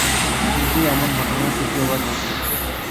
কিন্তু এমন ঘটনা তৃতীয়বার ঘটলো।